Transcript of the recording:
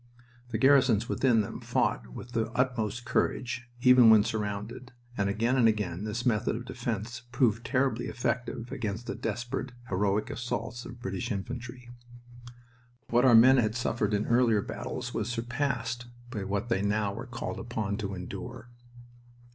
The garrisons within them fought often with the utmost courage, even when surrounded, and again and again this method of defense proved terribly effective against the desperate heroic assaults of British infantry. What our men had suffered in earlier battles was surpassed by what they were now called upon to endure.